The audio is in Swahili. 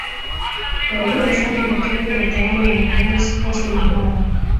waliofanya wakati wa utawala wa rais hosni mubarak